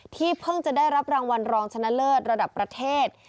เพิ่งจะได้รับรางวัลรองชนะเลิศระดับประเทศ